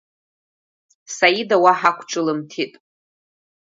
Саида уаҳа ақәҿылымҭит.